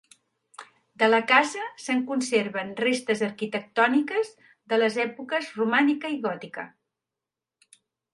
De la casa se'n conserven restes arquitectòniques de les èpoques romànica i gòtica.